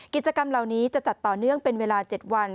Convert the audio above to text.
กิจกรรมเหล่านี้จะจัดต่อเนื่องเป็นเวลา๗วัน